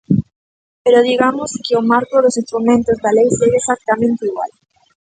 Pero digamos que o marco dos instrumentos da lei segue exactamente igual.